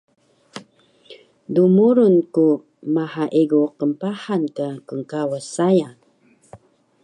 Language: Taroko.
Dmurun ku maha egu knpahan ka knkawas saya